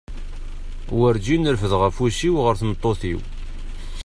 Warǧin refdeɣ afus-iw ɣer tmeṭṭut-iw.